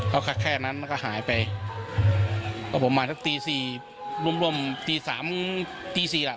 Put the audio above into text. เขาแค่แค่นั้นแล้วก็หายไปก็ประมาณสักตีสี่ร่วมร่วมตีสามตีสี่ล่ะ